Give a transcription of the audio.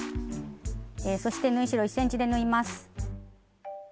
そして縫い代１ｃｍで縫います。